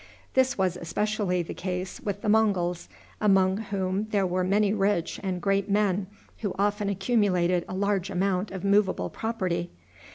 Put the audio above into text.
This was especially the case with the Monguls, among whom there were many rich and great men who often accumulated a large amount of movable property.